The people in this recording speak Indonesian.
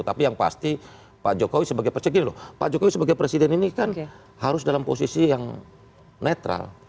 tapi yang pasti pak jokowi sebagai presiden ini kan harus dalam posisi yang netral